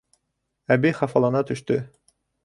Әбей хафалана төштө: